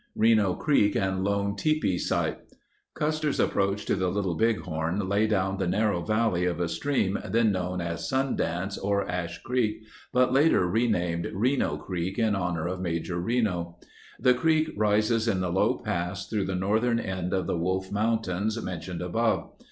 Reno Creek and Lone Tipi Site Custer's approach to the Little Bighorn lay down the narrow valley of a stream then known as Sundance or Ash Creek but later named Reno Creek in honor of Major Reno. The creek rises in the low pass through the northern end of the Wolf Mountains mentioned above.